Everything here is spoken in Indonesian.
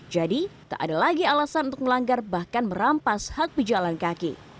jadi tak ada lagi alasan untuk melanggar bahkan merampas hak bijalan kaki